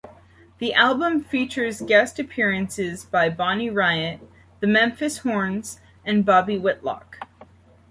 The album features guest appearances by Bonnie Raitt, The Memphis Horns and Bobby Whitlock.